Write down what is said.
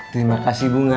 terima kasih bunga